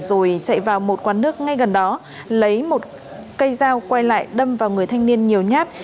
rồi chạy vào một quán nước ngay gần đó lấy một cây dao quay lại đâm vào người thanh niên nhiều nhát